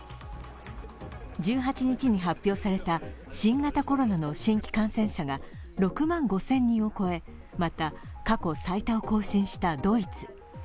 １８日に発表された新型コロナの新規感染者が６万５０００人を超え、また過去最多を更新したドイツ。